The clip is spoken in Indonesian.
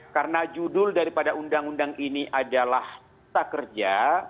karena judul daripada undang undang ini adalah cipta kerja